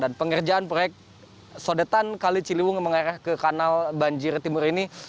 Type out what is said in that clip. dan pengerjaan proyek sodetan kali ciliwung yang mengarah ke kanal banjir timur ini